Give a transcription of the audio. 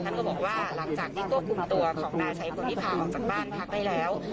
ก็บอกว่าหลังจากที่ควบคุมตัวของนายชัยพลวิพาออกจากบ้านพักได้แล้ว